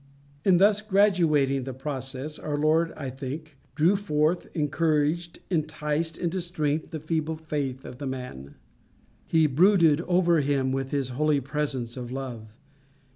In thus graduating the process, our Lord, I think, drew forth, encouraged, enticed into strength the feeble faith of the man. He brooded over him with his holy presence of love.